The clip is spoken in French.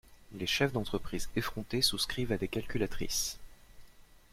Les chefs d'entreprise effrontés souscrivent à des calculatrices.